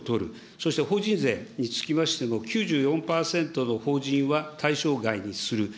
そして法人税につきましても、９４％の法人は対象外にする。